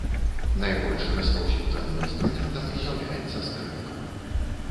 Найбольш распаўсюджаным інструментам з'яўляецца скрыпка.